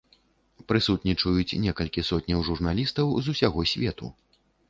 Прысутнічаюць некалькі сотняў журналістаў з усяго свету.